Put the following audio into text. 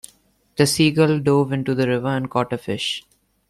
The seagull dove into the river and caught a fish.